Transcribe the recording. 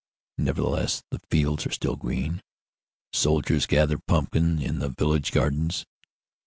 Nevertheless the fields are still green. Our soldiers gather pumpkins in the village gardens.